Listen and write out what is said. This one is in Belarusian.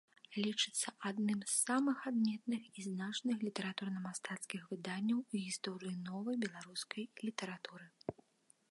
Лічыцца адным з самых адметных і значных літаратурна-мастацкіх выданняў у гісторыі новай беларускай літаратуры.